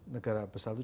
negara besar itu